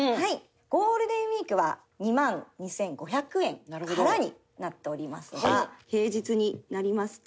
ゴールデンウィークは２万２５００円からになっておりますが平日になりますと。